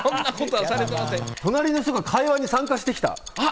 隣の人が会話に参加してきた！